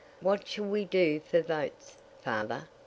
"What shall we do for votes, father?"